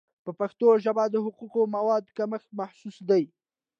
په پښتو ژبه د حقوقي موادو کمښت محسوس دی.